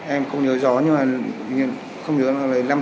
em không nhớ gió nhưng mà không nhớ lấy năm mươi hay một trăm linh